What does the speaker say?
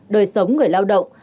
đời sống người lao động